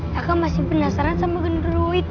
kak masih penasaran sama gundurwo itu